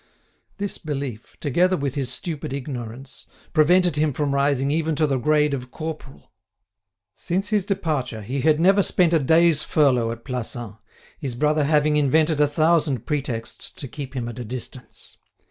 This belief, together with his stupid ignorance, prevented him from rising even to the grade of corporal. Since his departure he had never spent a day's furlough at Plassans, his brother having invented a thousand pretexts to keep him at a distance.